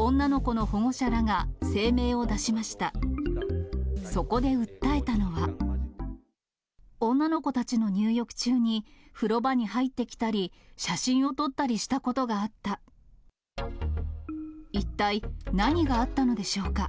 女の子たちの入浴中に風呂場に入ってきたり、写真を撮ったり一体何があったのでしょうか。